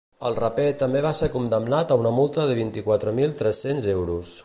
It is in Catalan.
El raper també va ser condemnat a una multa de vint-i-quatre mil tres-cents euros.